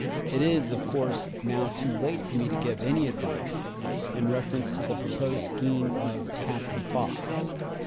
It is, of course, now too late for me to give any advice in reference to the proposed scheme of Captain Fox.